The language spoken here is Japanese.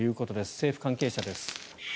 政府関係者です。